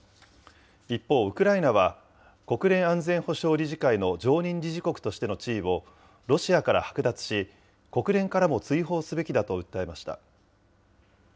一方、ウクライナは、国連安全保障理事会の常任理事国としての地位をロシアからはく奪し、国連からも追放すべきだと訴えました。